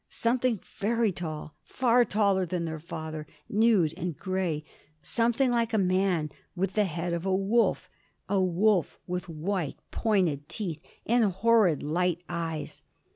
Something very tall, far taller than their father, nude and grey, something like a man with the head of a wolf a wolf with white pointed teeth and horrid, light eyes.